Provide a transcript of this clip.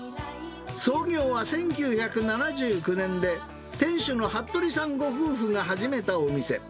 創業は１９７９年で、店主の服部さんご夫婦が始めたお店。